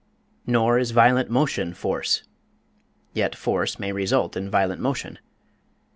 Nor is violent motion force yet force may result in violent motion.